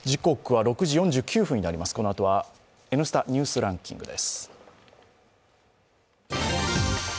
このあとは「Ｎスタ・ニュースランキング」です。